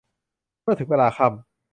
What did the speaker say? เมื่อถึงเวลาค่ำ